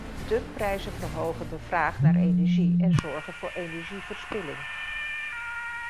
Dumpprijzen verhogen de vraag naar energie en zorgen voor energieverspilling.